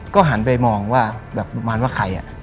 ก็หันไปมองว่าแบบประมาณว่าใคร